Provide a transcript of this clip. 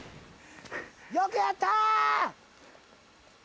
よくやったー！